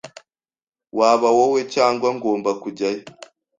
Waba wowe cyangwa ngomba kujyayo.